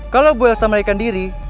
kalau bu elsa menaikkan diri